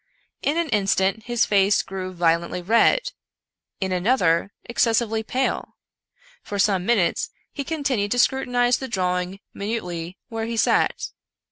In an instant his face grew violently red — in another ex cessively pale. For some minutes he continued to scrutinize the drawing minutely where he sat.